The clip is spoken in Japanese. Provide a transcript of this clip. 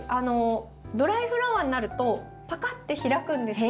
ドライフラワーになるとパカッて開くんですね。